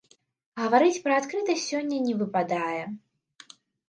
Гаварыць пра адкрытасць сёння не выпадае.